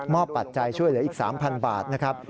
ปัจจัยช่วยเหลืออีก๓๐๐บาทนะครับ